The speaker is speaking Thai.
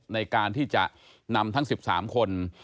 ในการที่จะนำทั้ง๑๓คน